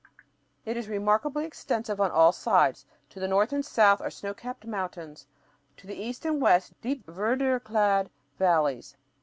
It is remarkably extensive on all sides; to the north and south are snow capped mountains, to the east and west, deep verdure clad valleys.